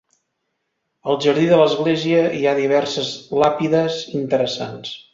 Al jardí de l'església hi ha diverses làpides interessants.